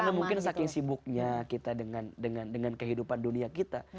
karena mungkin saking sibuknya kita dengan kehidupan dunia kita